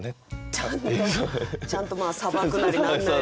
ちゃんとちゃんとまあさばくなりなんなり。